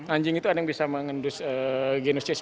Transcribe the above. anjing itu ada yang bisa mengendus ginos c sembilan belas